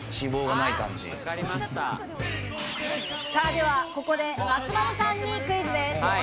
では、ここで松丸さんにクイズです。